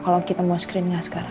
kalau kita mau screen gak askara